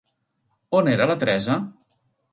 On era la Teresa?